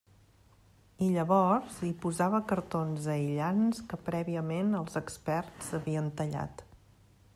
I llavors, hi posava cartons aïllants que prèviament els experts havien tallat.